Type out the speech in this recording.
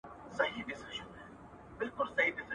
د ناز خواړه يا بل منگه وي، يا تروه.